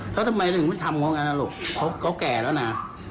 แล้วทำไมไม่ทำงานนั่นหรอกเค้าแก่แล้วนะ